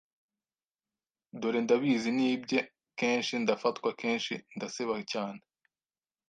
Dore ndabizi nibye kenshi ndafatwa kenshi ndaseba cyane